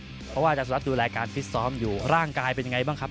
เพราะว่าอาจารย์สุรัสตร์ดูแลการฟิตซ้อมอยู่ร่างกายเป็นยังไงบ้างครับ